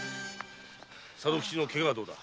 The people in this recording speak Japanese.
佐渡吉のケガはどうだ？